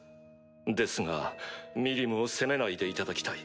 ですがミリムを責めないでいただきたい。